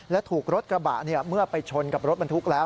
และถูกรถกระบะเมื่อไปชนกับรถบรรทุกแล้ว